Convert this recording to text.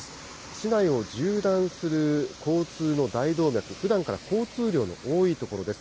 市内を縦断する交通の大動脈、ふだんから交通量の多い所です。